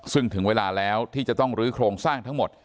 ซึ่งถึงเวลาแล้วที่จะต้องลื้อโครงสร้างทั้งหมด